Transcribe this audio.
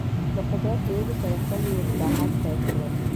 د قدرت نیولو سره سم یې اصلاحات پیل کړل.